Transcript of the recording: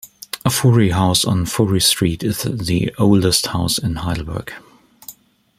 "Fourie House" on Fourie Street is the oldest house in Heidelberg.